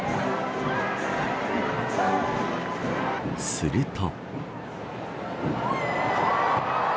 すると。